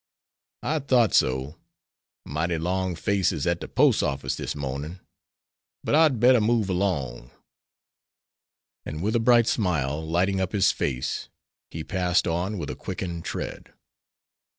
"I thought so; mighty long faces at de pos' office dis mornin'; but I'd better move 'long," and with a bright smile lighting up his face he passed on with a quickened tread.